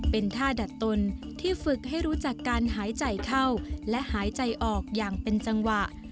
เป็นท่าดัดตนที่ฝึกให้รู้จักการหายใจเข้าและหายใจออกอย่างเป็นจังหวะ